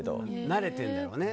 慣れてるんだろうね。